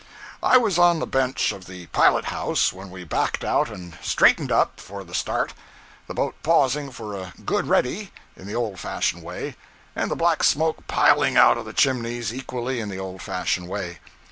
I was on the bench of the pilot house when we backed out and 'straightened up' for the start the boat pausing for a 'good ready,' in the old fashioned way, and the black smoke piling out of the chimneys equally in the old fashioned way.